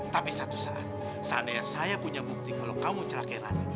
tapi satu saat seandainya saya punya bukti kalau kamu celakai rati